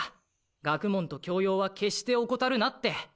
学問と教養は決して怠るなって。